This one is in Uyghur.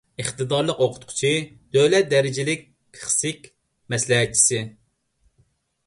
ئىقتىدارلىق ئوقۇتقۇچى، دۆلەت دەرىجىلىك پىسخىك مەسلىھەتچىسى